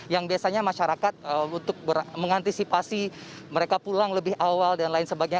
yang biasanya masyarakat untuk mengantisipasi mereka pulang lebih awal dan lain sebagainya